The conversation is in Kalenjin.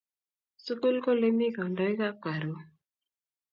Sukul ko olemi kandoikap karon